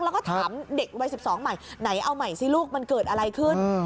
แล้วก็ถามเด็กวัย๑๒ใหม่ไหนเอาใหม่สิลูกมันเกิดอะไรขึ้น